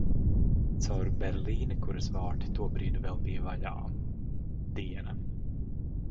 Caur Berlīni, kuras vārti tobrīd vēl bija vaļā... Diena.